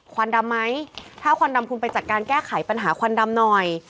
ควันดำไหมถ้าควันดำคุณไปจัดการแก้ไขปัญหาควันดำหน่อย